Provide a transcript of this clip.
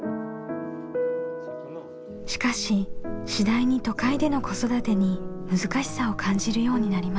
しかし次第に都会での子育てに難しさを感じるようになりました。